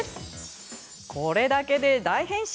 これだけで大変身